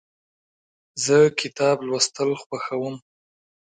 زه کتاب لوستل خوښوم.